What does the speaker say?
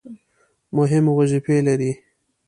مهمې وظیفې لري.